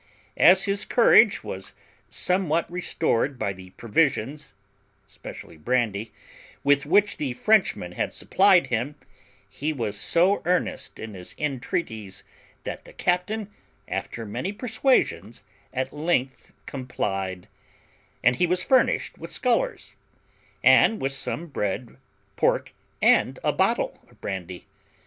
As his courage was somewhat restored by the provisions (especially brandy) with which the Frenchmen had supplied him, he was so earnest in his entreaties, that the captain, after many persuasions, at length complied, and he was furnished with scullers, and with some bread, pork, and a bottle of brandy.